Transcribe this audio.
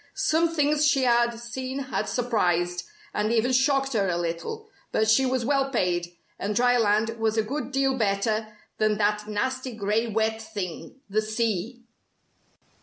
Some things she had seen had surprised and even shocked her a little, but she was well paid, and dry land was a good deal better than that nasty grey wet thing, the sea!